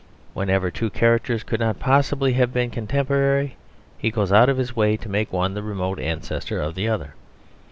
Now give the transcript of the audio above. Whenever two characters could not possibly have been contemporary he goes out of his way to make one the remote ancestor of the other.